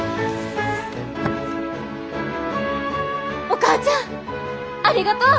お母ちゃんありがとう！